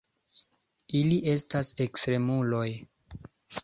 Ili estas ekstremuloj.